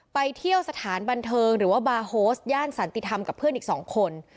ไปเที่ยวสถานบันเทิงหรือว่าบาร์โฮสย่านสันติธรรมกับเพื่อนอีก๒คน